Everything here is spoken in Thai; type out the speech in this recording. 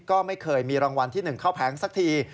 ก็ไม่เคยมีรางวัลที่๑เข้าแผงสักที